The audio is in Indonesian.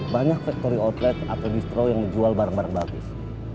banyak factory outlet atau distro yang menjual barang barang bagus